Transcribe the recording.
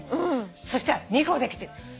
そしたら２個できて。